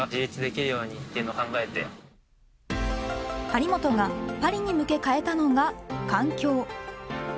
張本が、パリに向け変えたのが環境。